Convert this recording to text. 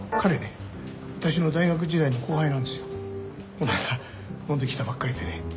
この間飲んできたばっかりでね。